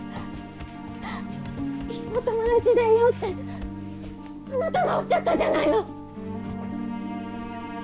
お友達でいようってあなたがおっしゃったんじゃないの。